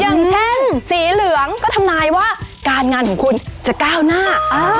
อย่างเช่นสีเหลืองก็ทำนายว่าการงานของคุณจะก้าวหน้า